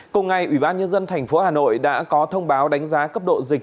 cùng ngày ủy ban nhân dân thành phố hà nội đã có thông báo đánh giá cấp độ dịch